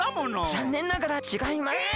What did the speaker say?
ざんねんながらちがいますえ！